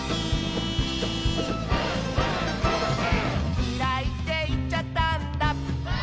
「きらいっていっちゃったんだ」